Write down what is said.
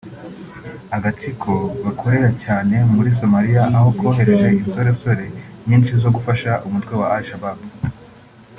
ari agatsiko gakorera cyane muri Somalia aho kwohereje insorersore nyinshi zo gufasha umutwe wa Al Shabab